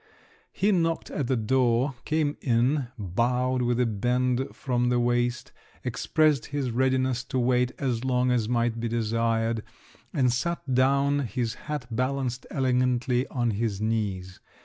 He knocked at the door, came in, bowed with a bend from the waist, expressed his readiness to wait as long as might be desired, and sat down, his hat balanced elegantly on his knees.